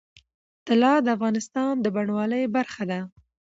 طلا د افغانستان د بڼوالۍ برخه ده.